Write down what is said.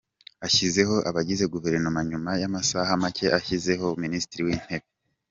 Ashyizeho abagize Guverinoma nyuma y’amasaha make ashyizeho Minisitiri w’Intebe